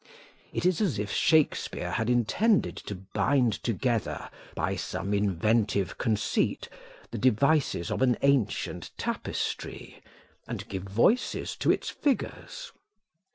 It is as if Shakespeare had intended to bind together, by some inventive conceit, the devices of an ancient tapestry, and give voices to its figures.